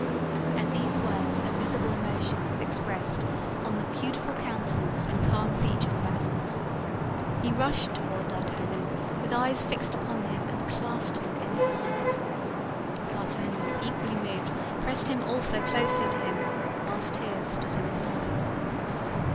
At these words a visible emotion was expressed on the beautiful countenance and calm features of Athos. He rushed toward D'Artagnan with eyes fixed upon him and clasped him in his arms. D'Artagnan, equally moved, pressed him also closely to him, whilst tears stood in his eyes.